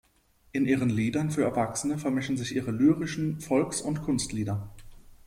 In ihren Liedern für Erwachsene vermischen sich ihre lyrischen Volks- und Kunstlieder.